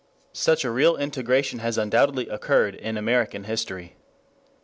6 Such a real integration has undoubtedly occurred in American history.